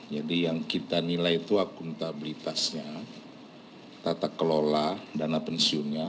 jadi yang kita nilai itu akuntabilitasnya tata kelola dana pensiunnya